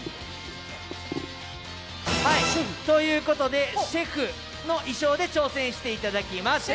ということでシェフの衣装で挑戦していただきます。